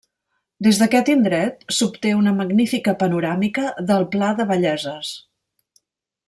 Des d'aquest indret s'obté una magnífica panoràmica del pla de Belleses.